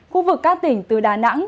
khu vực các tỉnh từ đà nẵng